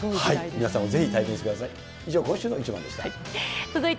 皆さんもぜひ体験してください。